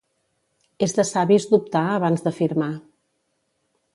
És de savis dubtar abans de firmar.